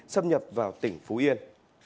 xâm nhập vào tỉnh phú yên